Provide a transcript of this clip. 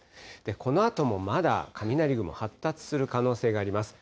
このあともまだ雷雲、発達する可能性があります。